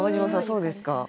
そうですか？